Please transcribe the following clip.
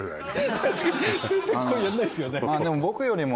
確かに先生これやんないですよね。